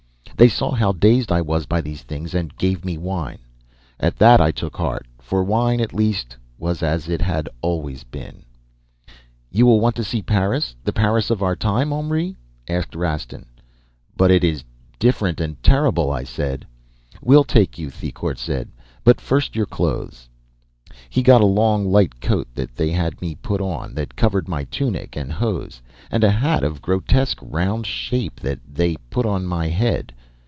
"They saw how dazed I was by these things, and gave me wine. At that I took heart, for wine, at least, was as it had always been. "'You will want to see Paris the Paris of our time, Henri?' asked Rastin. "'But it is different terrible ' I said. "'We'll take you,' Thicourt said, 'but first your clothes ' "He got a long light coat that they had me put on, that covered my tunic and hose, and a hat of grotesque round shape that they put on my head.